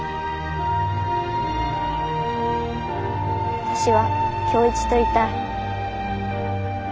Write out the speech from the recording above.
あたしは今日一といたい。